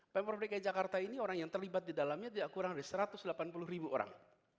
pemprov dki jakarta ini orang yang terlibat di dalamnya tidak kurang dari satu ratus delapan puluh ribu orang